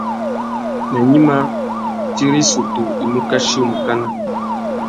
Nà gnïma, tsi râ issutu i mù kachi u mù bàrrâ.